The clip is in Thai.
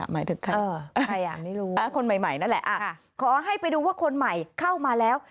หมายถึงใครอ่ะไม่รู้คนใหม่นั่นแหละขอให้ไปดูว่าคนใหม่เข้ามาแล้ว